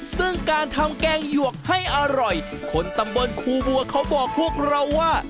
ซึ่งการทำแกงหยวกให้อร่อยคนตำบลครูบัวเขาบอกพวกเราว่า